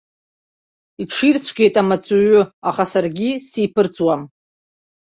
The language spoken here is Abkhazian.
Иҽирцәгьеит амаҵуҩы, аха саргьы сиԥырҵуам.